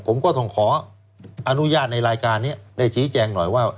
ผมก็ต้องขออนุญาตในรายการนี้ได้ชี้แจงหน่อยว่า